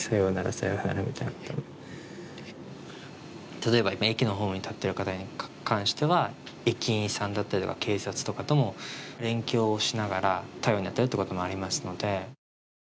例えば駅のホームに立っている方に関しては駅員さんだったりとか、警察とも連携をしながら対応に当たるということもあります。